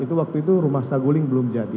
itu waktu itu rumah saguling belum jadi